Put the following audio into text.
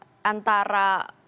kalau misalnya sekarang kita lihat